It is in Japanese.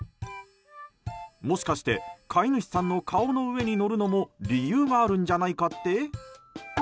もしかして飼い主さんの顔の上に乗るのも理由があるんじゃないかって？